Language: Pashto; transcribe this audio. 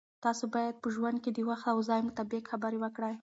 تاسو باید په ژوند کې د وخت او ځای مطابق خبرې وکړئ.